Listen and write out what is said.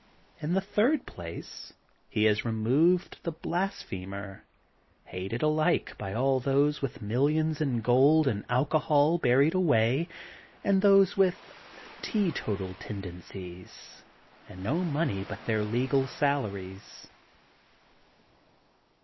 In the third place he has removed the blasphemer, hated alike by those with mil lions in gold and alcohol buried away, and those with teetotal tendencies and no money but their legal salaries.